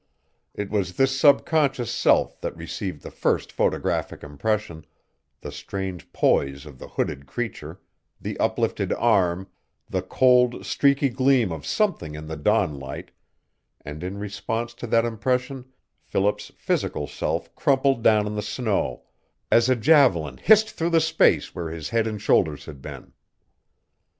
It was this sub conscious self that received the first photographic impression the strange poise of the hooded creature, the uplifted arm, the cold, streaky gleam of something in the dawn light, and in response to that impression Philip's physical self crumpled down in the snow as a javelin hissed through the space where his head and shoulders had been.